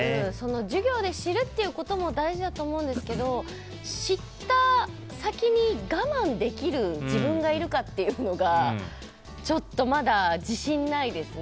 授業で知るということも大事だと思うんですけど知った先に我慢できる自分がいるかっていうのがちょっとまだ自信ないですね。